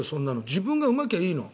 自分がうまきゃいいの。